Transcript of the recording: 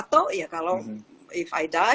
ya kalau ya kalau kalau saya mati ya semuanya akan baik